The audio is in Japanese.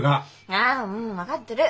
あもう分かってる！